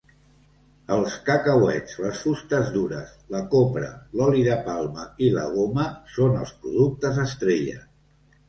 Els cacauets, les fustes dures, la copra, l'oli de palma i la goma són els productes estrella.